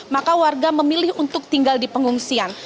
maka warga memilih untuk tinggal di pengungsian